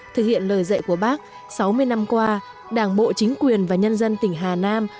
thực hiện lời dạy của bác sáu mươi năm qua đảng bộ chính quyền và nhân dân tỉnh hà nam